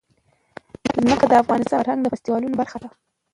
ځمکه د افغانستان د فرهنګي فستیوالونو برخه ده.